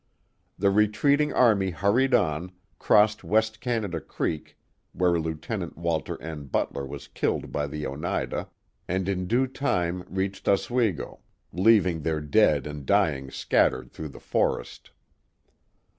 The retreating army hurried on, crossed West Canada Creek, where Lieutenant Walter N. Butler was killed by the Oneida, and in due time reached Oswego, leaving their dead and dying scattered through the forest.